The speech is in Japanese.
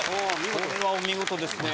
これはお見事ですね。